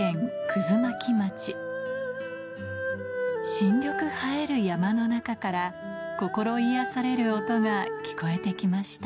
新緑映える山の中から心癒やされる音が聞こえて来ました